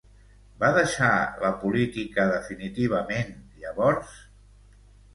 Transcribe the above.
Va deixar la política definitivament llavors?